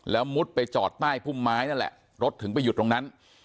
แล้วมุดไปจอดใต้พุ่มไม้นั่นแหละรถถึงไปหยุดตรงนั้น